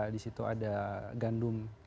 di situ ada gandum